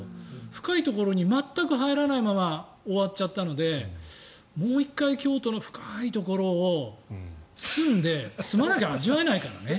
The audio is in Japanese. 深いところに全く入らないまま終わっちゃったのでもう１回、京都の深いところを住んで住まなきゃ味わえないからね。